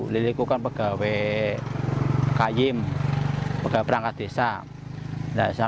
liliku kan pegawai kayim pegawai perangkat desa